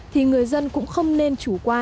thì người dân cũng không nên chủ quan